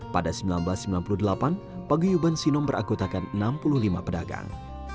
pada seribu sembilan ratus sembilan puluh delapan paguyuban sinom berakutakan enam puluh lima pedagang